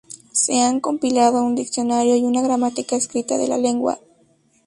Se han compilado un diccionario y una gramática escrita de la lengua.